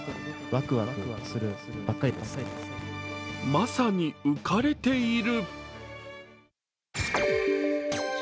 まさに浮かれている。